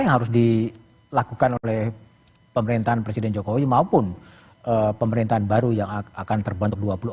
yang harus dilakukan oleh pemerintahan presiden jokowi maupun pemerintahan baru yang akan terbentuk